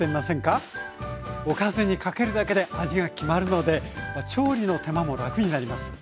おかずにかけるだけで味が決まるので調理の手間も楽になります。